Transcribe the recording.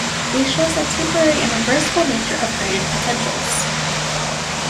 This shows the temporary and reversible nature of graded potentials.